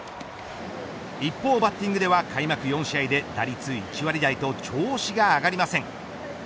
一方、バッティングでは開幕４試合で打率１割台と調子が上がりません。